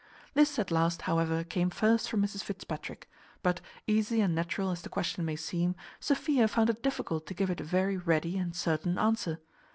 This at last, however, came first from Mrs Fitzpatrick; but, easy and natural as the question may seem, Sophia found it difficult to give it a very ready and certain answer.